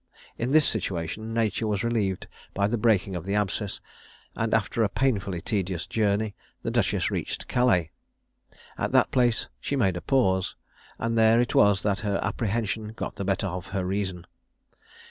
In this situation nature was relieved by the breaking of the abscess; and, after a painfully tedious journey, the duchess reached Calais. At that place she made a pause; and there it was that her apprehension got the better of her reason.